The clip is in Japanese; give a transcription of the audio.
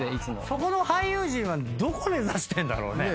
そこの俳優陣はどこ目指してんだろうね。